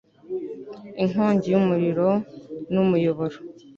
inkongi y umuriro n umuyoboro